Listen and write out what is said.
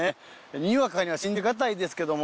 にわかには信じがたいですけども。